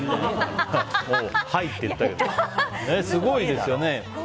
はいって言ったけどすごいですよね。